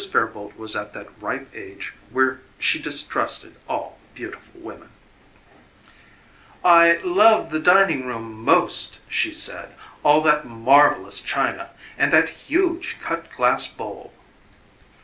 Fairboalt was at that ripe age where she distrusted all beautiful women "I love the dining room MOST," she said, "all that MARVELLOUS china, and that HUGE cut glass bowl."